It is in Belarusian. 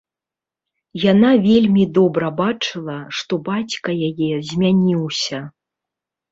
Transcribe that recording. Яна вельмі добра бачыла, што бацька яе змяніўся.